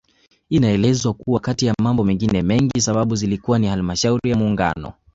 Inaelezwa kuwa kati ya mambo mengine mengi sababu zilikuwa ni Halmashauri ya muungano